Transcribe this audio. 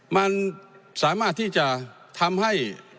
มันสามารถที่จะทำให้